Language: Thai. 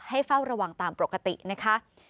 เฝ้าระวังตามปกตินะคะ